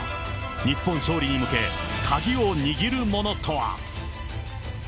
日本勝利に向け、鍵を握るものとは。